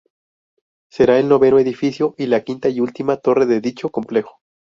Será el noveno edificio y la quinta y última torre de dicho complejo.